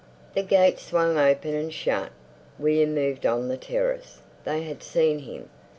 The gate swung open and shut. William moved on the terrace; they had seen him.